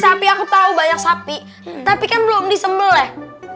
tapi aku tau banyak sapi tapi kan belum disembeleh